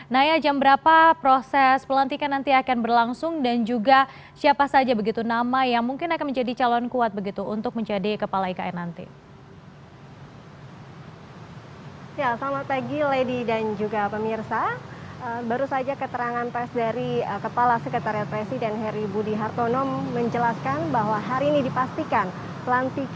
naya jam berapa proses pelantikan nanti akan berlangsung dan juga siapa saja begitu nama yang mungkin akan menjadi calon kuat begitu untuk menjadi kepala ikn nanti